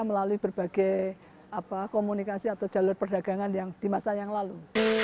melalui berbagai komunikasi atau jalur perdagangan yang di masa yang lalu